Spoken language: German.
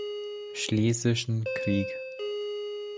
Schlesischen Krieg.